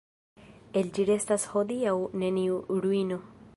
El ĝi restas hodiaŭ neniu ruino.